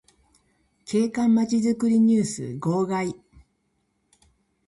景観まちづくりニュース号外